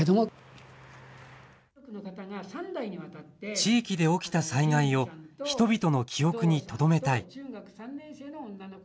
地域で起きた災害を人々の記憶にとどめたい。